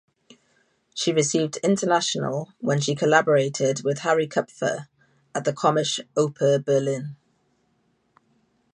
She received international when she collaborated with Harry Kupfer at the Komische Oper Berlin.